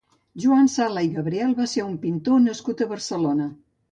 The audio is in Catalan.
Joan Sala i Gabriel va ser un pintor nascut a Barcelona.